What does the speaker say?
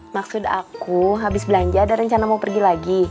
maksud aku habis belanja ada rencana mau pergi lagi